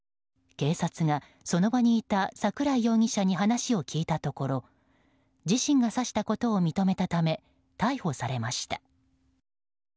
警察がその場にいた桜井容疑者に話を聞いたところ自身が刺したことを認めたため逮捕されました。